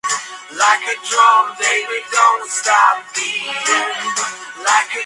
Su última versión se denominó Noche del Campeón.